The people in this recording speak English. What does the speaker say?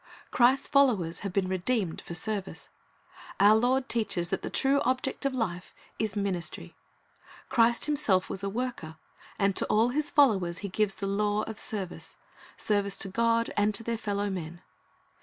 Christ's followers have been redeemed for service. Our Lord teaches that the true object of life is ministry. Christ Himself was a worker, and to all His followers He gives the law of service, — service to God and to their fellow men.